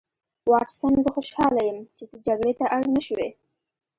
واټسن زه خوشحاله یم چې ته جګړې ته اړ نشوې